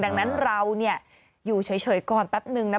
ดังนั้นเราอยู่เฉยก่อนแป๊บนึงนะ